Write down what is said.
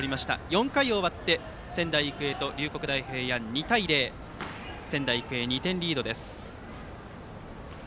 ４回終わって仙台育英と龍谷大平安２対０と仙台育英が２点リードです。